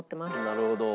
なるほど。